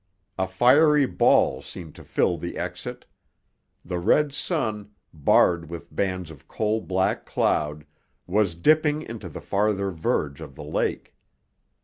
A fiery ball seemed to fill the exit. The red sun, barred with bands of coal black cloud, was dipping into the farther verge of the lake.